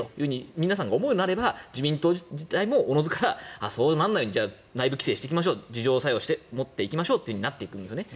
皆さんが思うようになれば自民党自体もおのずからそうならないように内部規制していきましょう自浄作用を持っていきましょうとなってくるんですね。